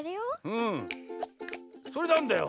うん。それなんだよ？